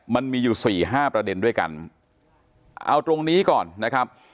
มันมีอยู่สี่ห้าประเด็นด้วยกันเอาตรงนี้ก่อนนะครับ